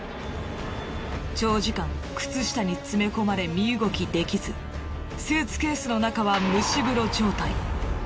長時間靴下に詰め込まれ身動きできずスーツケースの中は蒸し風呂状態。